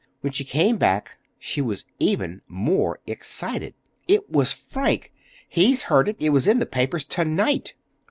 When she came back she was even more excited. "It was Frank. He's heard it. It was in the papers to night."